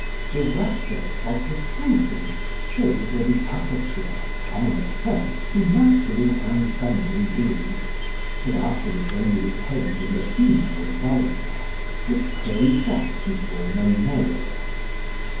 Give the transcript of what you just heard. The raphé of the scrotum shows where the aperture, common at first to masculine and feminine beings, but afterwards only retained in the female vulva, was closed up to form a male.